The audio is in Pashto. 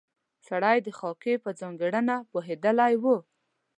سړی د خاکې په ځانګړنه پوهېدلی و.